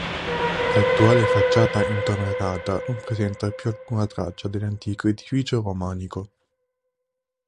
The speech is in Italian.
L'attuale facciata intonacata non presenta più alcuna traccia dell'antico edificio romanico.